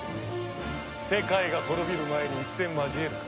世界が滅びる前に一戦交えるか？